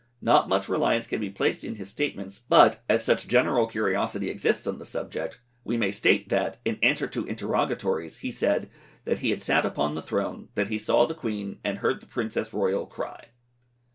Not much reliance can be placed in his statements, but, as such general curiosity exists on the subject, we may state that, in answer to interrogatories, he said, "that he had sat upon the throne, that he saw the Queen, and heard the Princess Royal cry."